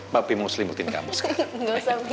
bapi mau selimutin kamu sekarang